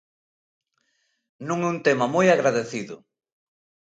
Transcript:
Non é un tema moi agradecido.